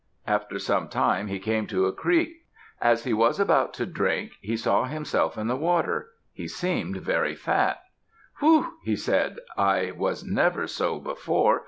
After some time he came to a creek. As he was about to drink, he saw himself in the water. He seemed very fat. "Whew!" he said. "I was never so before.